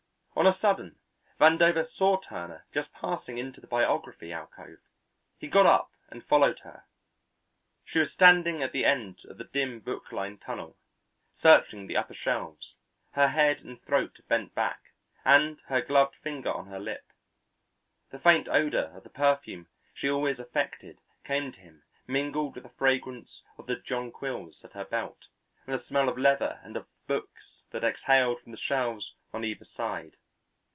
On a sudden Vandover saw Turner just passing into the Biography alcove. He got up and followed her. She was standing at the end of the dim book lined tunnel, searching the upper shelves, her head and throat bent back, and her gloved finger on her lip. The faint odour of the perfume she always affected came to him mingled with the fragrance of the jonquils at her belt and the smell of leather and of books that exhaled from the shelves on either side.